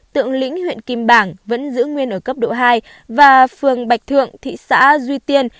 tượng lĩnh huyện kim bảng vẫn giữ nguyên ở cấp độ hai và phường bạch thượng thị xã duy tiên